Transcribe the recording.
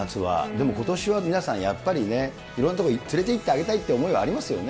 でもことしは皆さんやっぱりね、いろんな所に連れていってあげたいっていう思いはありますよね。